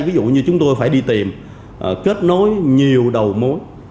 ví dụ như chúng tôi phải đi tìm kết nối nhiều đầu mối